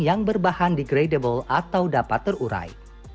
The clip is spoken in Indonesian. yang berbahan degradable atau dapat terurai